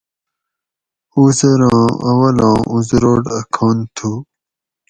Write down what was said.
اُزراں اولاں اُزروٹ اۤ کھن تھو